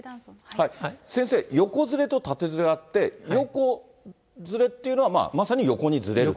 先生、横ずれと縦ずれがあって、横ずれっていうのは、まさに横にずれること？